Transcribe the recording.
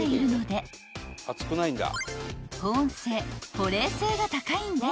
［保温性保冷性が高いんです］